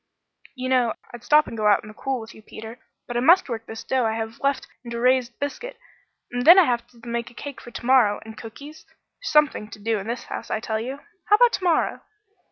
"You know I'd stop and go out in the cool with you, Peter, but I must work this dough I have left into raised biscuit; and then I have to make a cake for to morrow and cookies there's something to do in this house, I tell you! How about to morrow?"